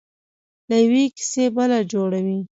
له یوې کیسې بله جوړوي.